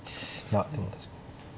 まあでも確かに。